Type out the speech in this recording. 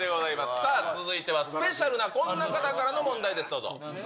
さあ、続いては、スペシャルなこんな方からの問題です、どうぞ。